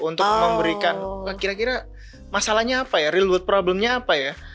untuk memberikan kira kira masalahnya apa ya real wood problemnya apa ya